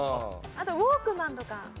あとウォークマンとか。